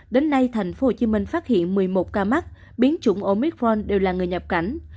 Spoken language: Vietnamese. đến nay thành phố hồ chí minh phát hiện một mươi một ca mắc biến chủng omicron đều là người nhập cảnh